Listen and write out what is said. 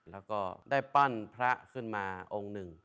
แล้วก็ได้ปั้นพระขึ้นมาองค์หนึ่ง